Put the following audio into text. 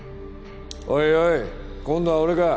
おいおい今度は俺か？